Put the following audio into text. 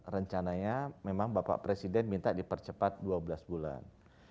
rencananya memang bapak presiden minta dipercepat dua belas bulan